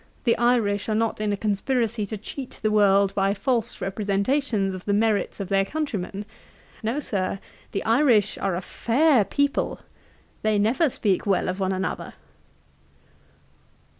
The Irish are not in a conspiracy to cheat the world by false representations of the merits of their countrymen. No, Sir; the Irish are a FAIR PEOPLE; they never speak well of one another.'